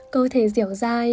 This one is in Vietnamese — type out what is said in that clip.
cơ thể dẻo dai